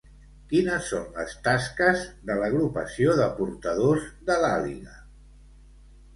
Quines són les tasques de l'Agrupació de Portadors de l'Àliga?